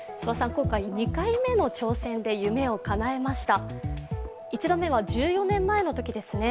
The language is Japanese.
今回２回目の挑戦で夢をかなえました。